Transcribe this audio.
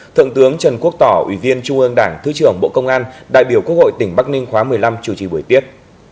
thượng tướng trần quốc tỏ ủy viên trung ương đảng thứ trưởng bộ công an đại biểu quốc hội tỉnh bắc ninh khóa một mươi năm chủ trì buổi tiếp